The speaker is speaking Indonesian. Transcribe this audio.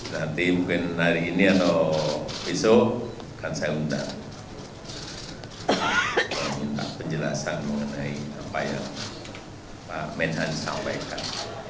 nanti mungkin hari ini atau besok kan saya undang meminta penjelasan mengenai apa yang pak menhan sampaikan